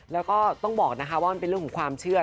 แล้วก็ต้องบอกนะคะว่ามันเป็นเรื่องของความเชื่อ